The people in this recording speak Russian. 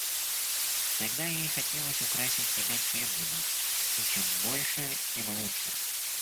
Тогда ей хотелось украсить себя чем-нибудь, и чем больше, тем лучше.